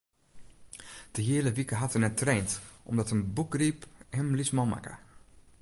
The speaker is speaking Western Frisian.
De hiele wike hat er net traind omdat in bûkgryp him lytsman makke.